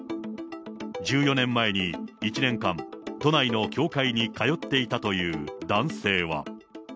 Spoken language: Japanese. １４年前に１年間、都内の教会に通っていたという男性は。